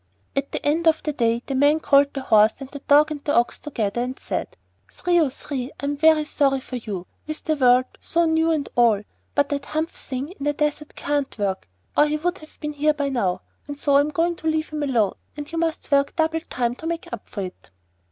At the end of the day the Man called the Horse and the Dog and the Ox together, and said, 'Three, O Three, I'm very sorry for you (with the world so new and all); but that Humph thing in the Desert can't work, or he would have been here by now, so I am going to leave him alone, and you must work double time to make up for it.